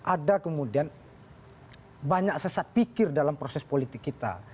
ada kemudian banyak sesat pikir dalam proses politik kita